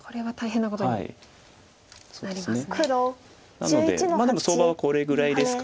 なのでまあでも相場はこれぐらいですか。